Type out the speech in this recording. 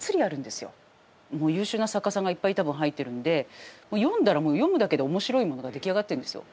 もう優秀な作家さんがいっぱい多分入ってるんで読んだらもう読むだけで面白いものが出来上がってるんですよ。